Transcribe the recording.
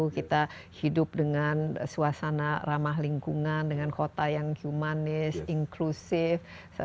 kita hidup dengan suasana ramah lingkungan dengan kota yang humanis inklusif